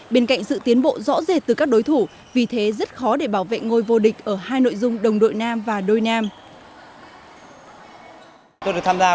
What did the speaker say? bên cạnh sự tiến bộ rõ rệt từ các đối thủ vì thế rất khó để bảo vệ ngôi nhà